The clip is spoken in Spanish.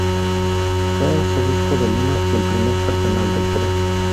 Fue arzobispo de Lima y el primer cardenal del Perú.